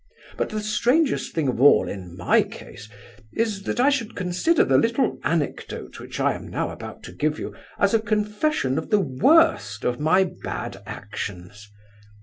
But the strangest thing of all in my case is, that I should consider the little anecdote which I am now about to give you as a confession of the worst of my 'bad actions.